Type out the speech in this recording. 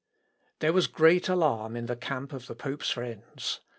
] There was great alarm in the camp of the pope's friends.